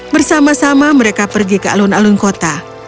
bersama sama mereka pergi ke alun alun kota